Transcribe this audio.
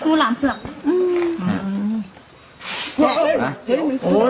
นี่เห็นจริงตอนนี้ต้องซื้อ๖วัน